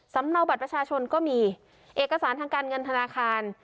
เนาบัตรประชาชนก็มีเอกสารทางการเงินธนาคาร